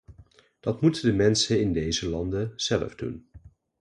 Dat moeten de mensen in deze landen zelf doen.